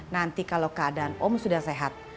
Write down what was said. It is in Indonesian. nanti kalau keadaan om sudah sehat